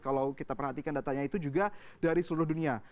kalau kita perhatikan datanya itu juga dari seluruh dunia